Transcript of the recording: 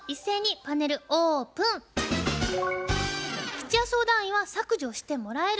吉弥相談員は「削除してもらえる」